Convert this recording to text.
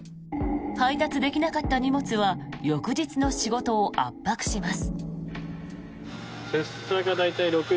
配達できなかった荷物は翌日の仕事を圧迫します。